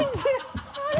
あれ？